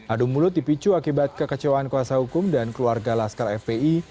adu mulut dipicu akibat kekecewaan kuasa hukum dan keluarga laskar fpi